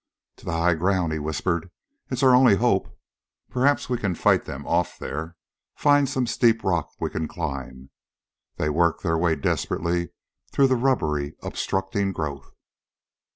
"To the high ground," he whispered. "It's our only hope. Perhaps we can fight them off there find some steep rock we can climb." They worked their way desperately through the rubbery, obstructing growth.